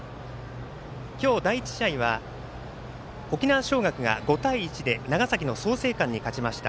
今日、第１試合は沖縄尚学が５対１で長崎の創成館に勝ちました。